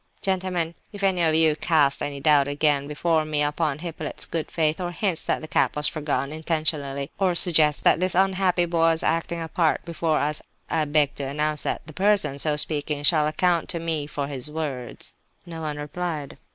"Gentlemen, if any one of you casts any doubt again, before me, upon Hippolyte's good faith, or hints that the cap was forgotten intentionally, or suggests that this unhappy boy was acting a part before us, I beg to announce that the person so speaking shall account to me for his words." No one replied.